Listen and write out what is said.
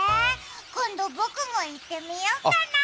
今度、僕も行ってみようかな。